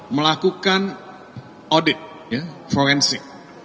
melakukan audit forensik